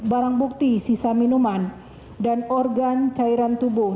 bareng bukti sisa minuman dan organ carian tubuh